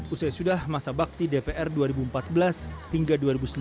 usai sudah masa bakti dpr dua ribu empat belas hingga dua ribu sembilan belas